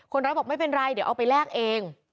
คนร้ายบอกไม่เป็นไรเดี๋ยวเอาไปแลกเอง